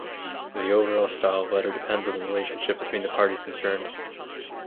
The overall style of letter depends on the relationship between the parties concerned.